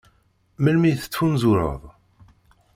Melmi i tettfunzureḍ?